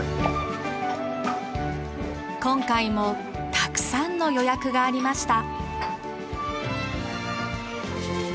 今回もたくさんの予約がありました。